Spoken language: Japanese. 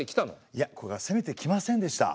いやこれがせめてきませんでした。